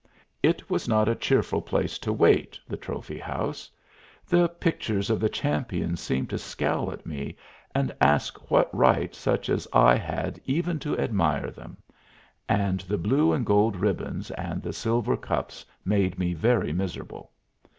It was not a cheerful place to wait, the trophy house. The pictures of the champions seemed to scowl at me, and ask what right such as I had even to admire them, and the blue and gold ribbons and the silver cups made me very miserable.